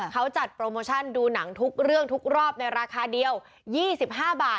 เขาจัดโปรโมชั่นดูหนังทุกเรื่องทุกรอบในราคาเดียว๒๕บาท